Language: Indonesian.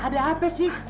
ada apa sih